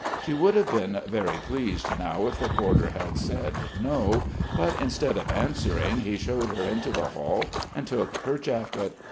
She would have been very pleased now if the porter had said "No," but instead of answering he showed her into the hall, and took her jacket.